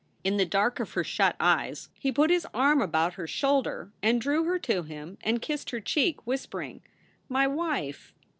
In the dark of her shut eyes he put his arm about her shoulder and drew her to him and kissed her cheek, whispering, "My wife!"